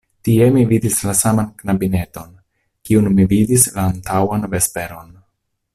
Tie mi vidis la saman knabineton, kiun mi vidis la antaŭan vesperon.